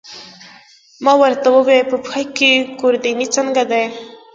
ما ورته وویل: په پښه کې، ګوردیني څنګه دی؟